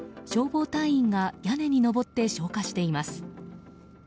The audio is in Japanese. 消防隊員が屋根に登って消火しています。